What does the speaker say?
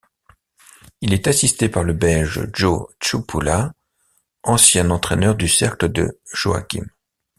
Il est assisté par le Belge Joe Tshupula, ancien entraîneur du Cercle de Joachim.